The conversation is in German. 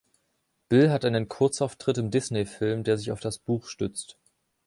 Bill hat einen Kurzauftritt im Disney-Film, der sich auf das Buch stützt.